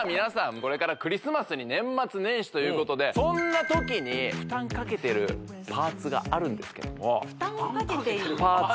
これからクリスマスに年末年始ということでそんな時に負担かけてるパーツがあるんですけれども負担かけてるパーツ？